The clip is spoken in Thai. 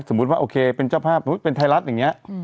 ว่าโอเคเป็นเจ้าภาพเป็นไทยรัฐอย่างนี้